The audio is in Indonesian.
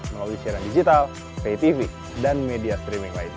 melalui siaran digital pay tv dan media streaming lain